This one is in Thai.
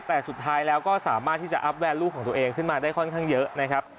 แต่สุดท้ายแล้วก็สามารถที่จะอัพแวนลูกของตัวเองขึ้นมาได้ค่อนข้างเยอะนะครับ